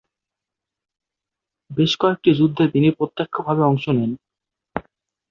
বেশ কয়েকটি যুদ্ধে তিনি প্রত্যক্ষভাবে অংশ নেন।